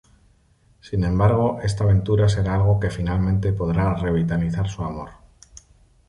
Sin embargo, esta aventura será algo que finalmente podrá revitalizar su amor.